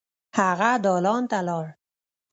هغه دالان ته لاړ.